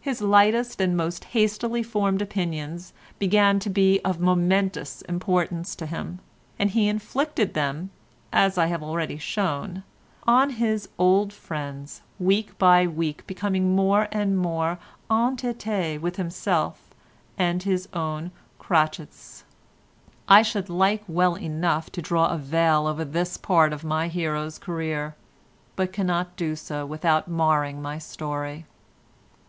His lightest and most hastily formed opinions began to be of momentous importance to him, and he inflicted them, as I have already shown, on his old friends, week by week becoming more and more entêté with himself and his own crotchets. I should like well enough to draw a veil over this part of my hero's career, but cannot do so without marring my story.